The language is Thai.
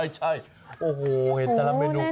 ไม่ใช่โอ้โหเห็นแต่ละเมนู